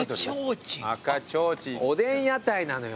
おでん屋台なのよ